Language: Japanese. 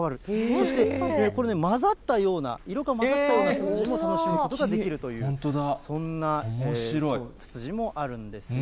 そして、これね、まざったような、色が混ざったようなツツジも楽しむことができるという、そんなツツジもあるんですよ。